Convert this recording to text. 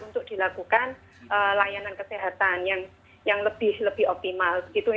untuk dilakukan layanan kesehatan yang lebih optimal